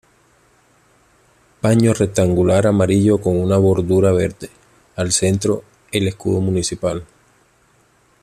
Paño rectangular amarillo con una bordura verde, al centro el escudo municipal.